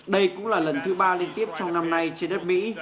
đây cũng là lần thứ ba liên tiếp trong năm nay trên đất mỹ